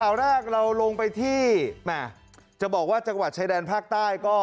ข่าวแรกเราลงไปที่จะบอกว่าจังหวัดชายแดนภาคใต้ก็